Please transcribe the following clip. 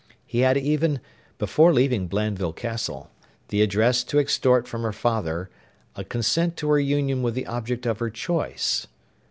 He had even, before leaving Blandeville Castle, the address to extort from her father a consent to her union with the object of her choice.